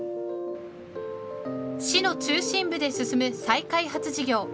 市の中心部で進む再開発事業。